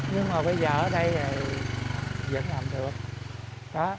nhưng mà bây giờ ở đây thì vẫn làm được